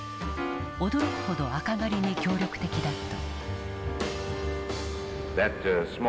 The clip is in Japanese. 驚くほど赤狩りに協力的だった。